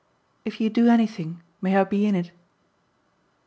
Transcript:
"If you do anything may I be in it?"